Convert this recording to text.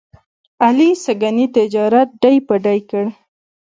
علي سږني تجارت ډۍ په ډۍ کړ.